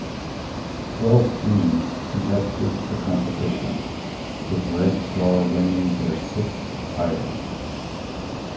Twelve teams contested the competition, with Red Star winning their sixth title.